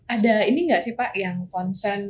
ada ini gak sih pak yang konsen